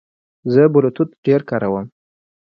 زه بلوتوث ډېر کاروم.